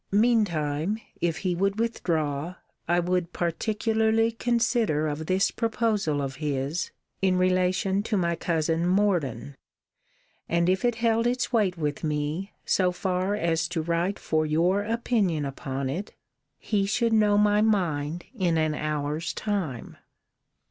Mean time, if he would withdraw, I would particularly consider of this proposal of his, in relation to my cousin Morden. And if it held its weight with me, so far as to write for your opinion upon it, he should know my mind in an hour's time.